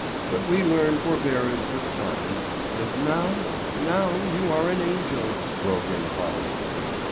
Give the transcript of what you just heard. But we learn forbearance with time, and now——" "Now you are an angel," broke in Polly.